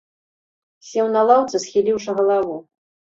Сеў на лаўцы, схіліўшы галаву.